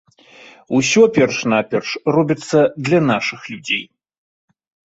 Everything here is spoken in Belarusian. Усё перш-наперш робіцца для нашых людзей.